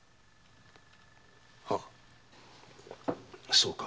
そうか。